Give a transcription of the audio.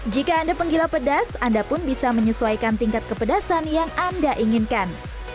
jika anda penggila pedas anda pun bisa menyesuaikan tingkat kepedasan yang anda inginkan